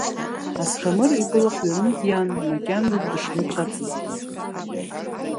Асҭамыр ибла хҩаны диан, макьана дышмыцәацызгьы.